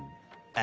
あ。